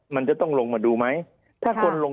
ภารกิจสรรค์ภารกิจสรรค์